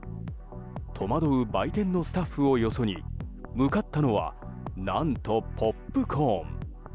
戸惑う売店のスタッフをよそに向かったのは何と、ポップコーン。